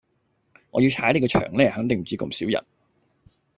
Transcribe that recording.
我要踩你個場呢，肯定唔止咁少人